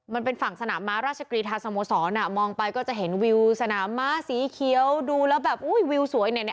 มันเป็นฝั่งสนามม้าราชกรีธาสโมสรมองไปก็จะเห็นวิวสนามม้าสีเขียวดูแล้วแบบอุ้ยวิวสวยเนี่ย